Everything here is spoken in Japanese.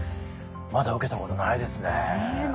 まだ受けたことないですね。